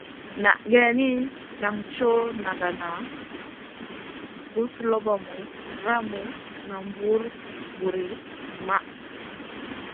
Na geyni, nan coʼ nagana, guzlobomu, ramu nam buw ir buwr maʼh.